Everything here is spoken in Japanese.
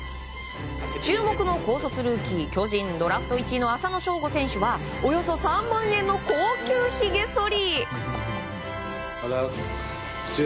注目の高卒ルーキー巨人ドラフト１位の浅野翔吾選手はおよそ３万円の高級ひげそり。